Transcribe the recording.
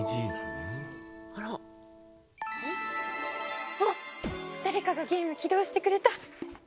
あっ誰かがゲーム起動してくれた！